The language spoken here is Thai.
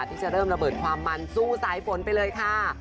ที่จะเริ่มระเบิดความมันสู้สายฝนไปเลยค่ะ